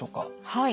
はい。